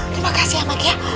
terima kasih ya maik